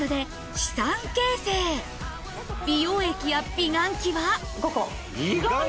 美容液や美顔器は５個。